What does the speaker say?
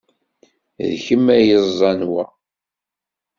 D kemm ay yeẓẓan wa?